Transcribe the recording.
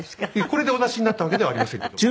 これでお出しになったわけではありませんけども。